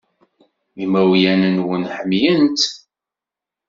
Imawlan-nwen ḥemmlen-tt.